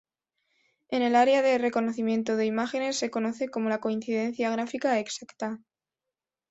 En el área de reconocimiento de imágenes se conoce como la coincidencia gráfica exacta.